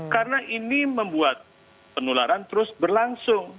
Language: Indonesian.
karena ini membuat penularan terus berlangsung